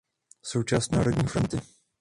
Součást Národní fronty.